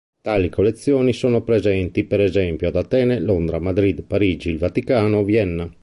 Tali collezioni sono presenti per esempio ad Atene, Londra, Madrid, Parigi, il Vaticano, Vienna.